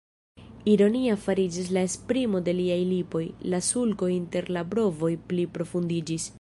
Ironia fariĝis la esprimo de liaj lipoj, la sulko inter la brovoj pli profundiĝis.